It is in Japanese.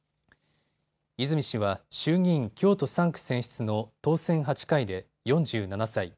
泉氏は衆議院京都３区選出の当選８回で４７歳。